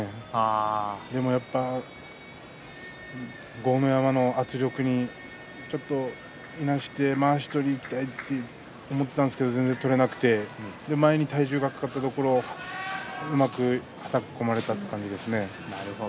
豪ノ山の圧力にちょっといなしてまわしを取りにいきたいという気持ちがあったんですが取れなくて前に体重がかかったところうまくはたき込まれたという感じですね。